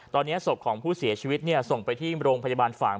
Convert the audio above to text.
ตอนนี้ศพของผู้เสียชีวิตส่งไปที่โรงพยาบาลฝ่าง